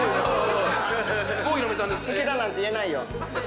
好きだなんて言えないよ。